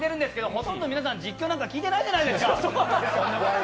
ほとんど皆さん、実況なんか聞いてないじゃないですか！